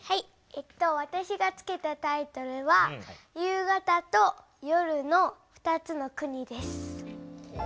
わたしが付けたタイトルは「夕方と夜の２つの国」です。